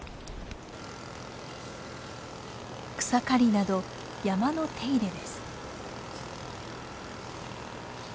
草刈りなど山の手入れです。